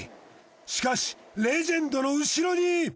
しかしレジェンドの後ろに。